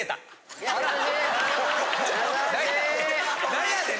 何やねん。